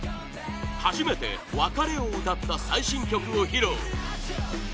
初めて別れを歌った最新曲を披露